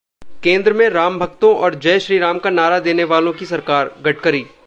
केंद्र में रामभक्तों और जय श्रीराम का नारा देने वालों की सरकारः गडकरी